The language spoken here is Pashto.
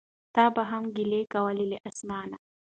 تا به هم ګیلې کولای له اسمانه